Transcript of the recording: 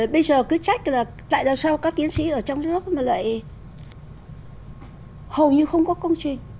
bây giờ cứ trách là tại sao các tiến sĩ ở trong nước mà lại hầu như không có công trình